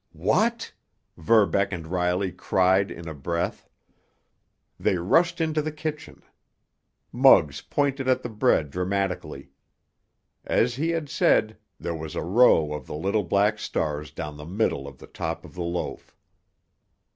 "What!" Verbeck and Riley cried in a breath. They rushed into the kitchen. Muggs pointed at the bread dramatically. As he had said, there was a row of the little black stars down the middle of the top of the loaf.